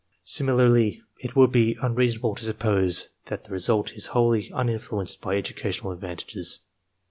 Similarly, it would be un reasonable to suppose that the result is wholly uninfluenced by educational advantages.